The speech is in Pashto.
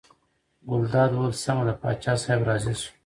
ګلداد وویل سمه ده پاچا صاحب راضي شو.